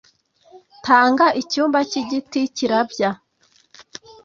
tanga icyumba cy'igiti, kirabya